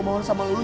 dan selamat ibu